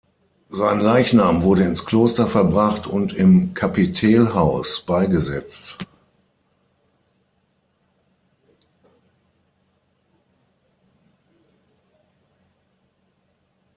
Sein Leichnam wurde ins Kloster verbracht und im Kapitelhaus beigesetzt.